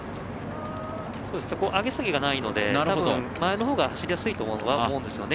上げ下げがないので、多分前の方が走りやすいとは思うんですよね。